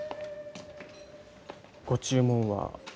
ご注文は。